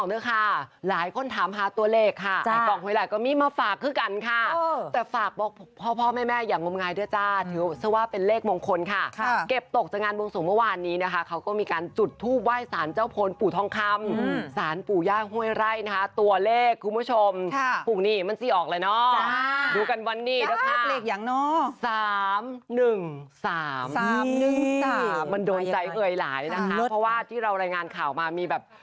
ว่าที่เรารายงานข่าวมามีแบบ